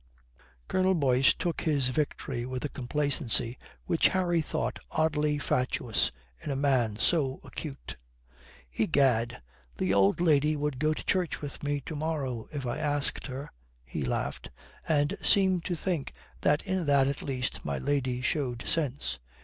Colonel Boyce took his victory with a complacency which Harry thought oddly fatuous in a man so acute. "Egad, the old lady would go to church with me to morrow if I asked her;" he laughed, and seemed to think that in that at least my lady showed sense.